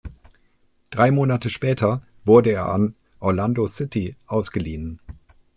Drei Monate später wurde er an Orlando City ausgeliehen.